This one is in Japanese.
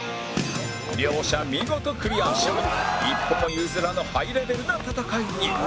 両者見事クリアし一歩も譲らぬハイレベルな戦いに